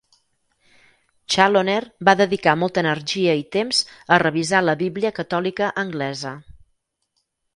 Challoner va dedicar molta energia i temps a revisar la Bíblia catòlica anglesa.